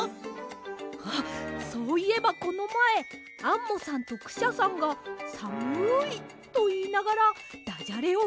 あっそういえばこのまえアンモさんとクシャさんが「さむい」といいながらダジャレをいいあっていました。